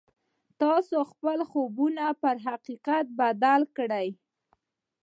تاسې خپل خوبونه پر حقيقت بدل کړئ.